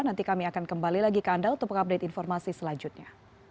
nanti kami akan kembali lagi ke anda untuk mengupdate informasi selanjutnya